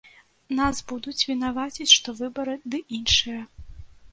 Нас будуць вінаваціць, што выбары ды іншае.